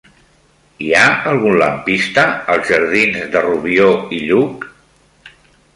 Hi ha algun lampista als jardins de Rubió i Lluch?